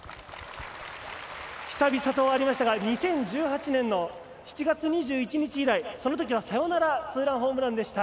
久々とありましたが２０１８年の７月２１日以来、そのときはサヨナラツーランホームランでした。